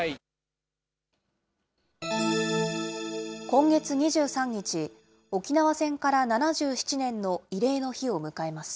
今月２３日、沖縄戦から７７年の慰霊の日を迎えます。